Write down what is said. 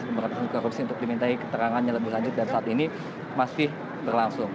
kedua komisi pemerintahan korupsi untuk diminta keterangan yang lebih lanjut dan saat ini masih berlangsung